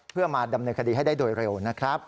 เพื่อมาดำเนินคดีให้ได้โดยเร็วนะครับ